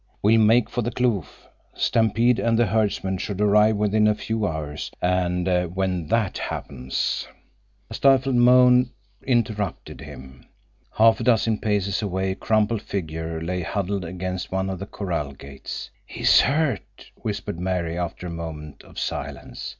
"We'll make for the kloof. Stampede and the herdsmen should arrive within a few hours, and when that happens—" A stifled moan interrupted him. Half a dozen paces away a crumpled figure lay huddled against one of the corral gates. "He is hurt," whispered Mary, after a moment of silence.